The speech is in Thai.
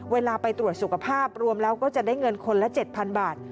เวลาไปตรวจสุขภาพรวมแล้วก็จะได้เงินคนละ๗๐๐บาท